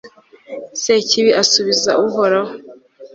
sekibi asubiza uhoraho